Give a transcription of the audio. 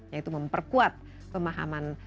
yaitu memperkuat pemahaman